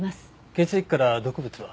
血液から毒物は？